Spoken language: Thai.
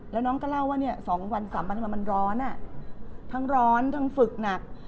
แล้วน้องก็เล่าว่า๒วัน๓วันทำไมมันร้อนทั้งร้อนทั้งฝึกหนัก